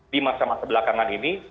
di masa masa belakangan ini